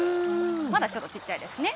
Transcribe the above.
まだちょっとちっちゃいですね。